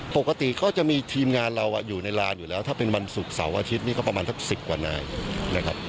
ปกติก็จะมีทีมงานเราอยู่ในลานอยู่แล้วถ้าเป็นวันศุกร์เสาร์อาทิตย์นี่ก็ประมาณสัก๑๐กว่านายนะครับ